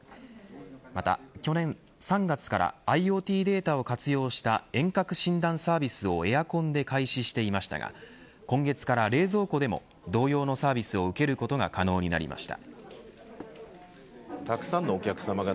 また、去年３月からＩｏＴデータを活用した遠隔診断サービスをエアコンで開始していましたが今月から冷蔵庫でも同様のサービスを受けることが可能になりました。